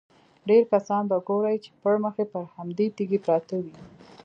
ډېری کسان به ګورې چې پړمخې پر همدې تیږې پراته وي.